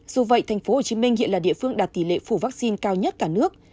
dù vậy tp hcm hiện là địa phương đạt tỷ lệ phủ vaccine cao nhất cả nước